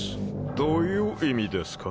どういう意味ですか？